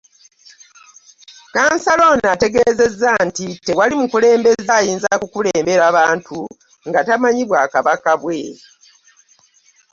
Kkansala ono ategeezezza nti tewali mukulembeze ayinza kukulembera bantu nga tamanyi Bwakabaka bwe.